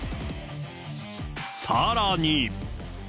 さらに。